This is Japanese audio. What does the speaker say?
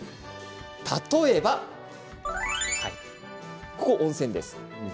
例えば左側が温泉です。